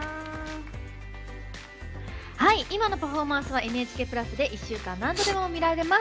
今のパフォーマンスは「ＮＨＫプラス」で１週間、何度でも見られます。